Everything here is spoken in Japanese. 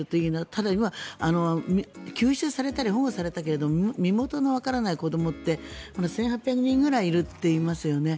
ただ、今救出されたり保護されたけど身元のわからない子どもって１８００人ぐらいいるって言いますよね。